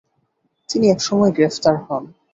তিনি এসময় গ্রেফতার হন।